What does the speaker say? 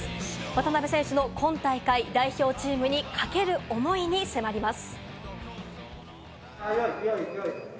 渡邊選手の今大会、代表チームにかける思いに迫ります。